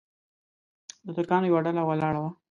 د ترکانو یوه ډله ولاړه وه.